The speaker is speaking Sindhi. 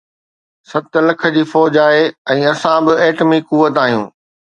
ست لکن جي فوج آهي ۽ اسان به ايٽمي قوت آهيون.